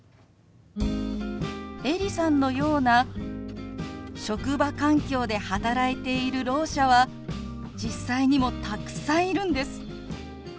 エリさんのような職場環境で働いているろう者は実際にもたくさんいるんです。